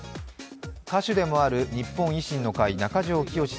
歌手でもある日本維新の会・中条きよし